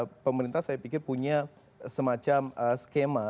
nah pemerintah saya pikir punya semacam skema